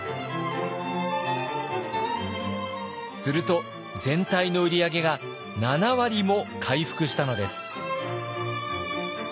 すると全体の売り上げが７割も回復したのです。